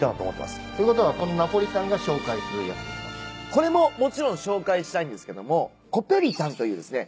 これももちろん紹介したいんですけどもコペリタンというですね